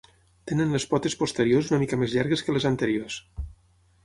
Tenen les potes posteriors una mica més llargues que les anteriors.